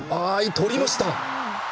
とりました。